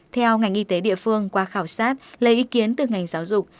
theo ngành y tế địa phương qua khảo sát lấy ý kiến từ ngành giáo dục